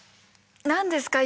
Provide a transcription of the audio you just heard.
何ですか？